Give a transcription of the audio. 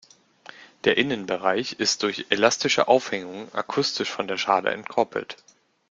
Der Innenbereich ist durch eine elastische Aufhängung akustisch von der Schale entkoppelt.